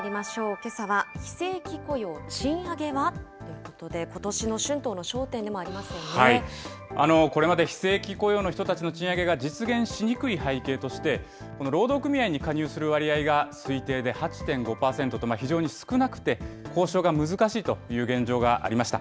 けさは、非正規雇用賃上げは？ということで、ことしの春闘の焦点でもありこれまで非正規雇用の人たちの賃上げが実現しにくい背景として、労働組合に加入する割合が推計で８．５％と、非常に少なくて、交渉が難しいという現状がありました。